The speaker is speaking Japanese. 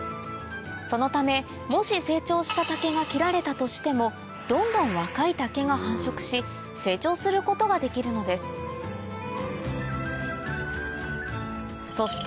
そのためもし成長した竹が切られたとしてもどんどん若い竹が繁殖し成長することができるのですそして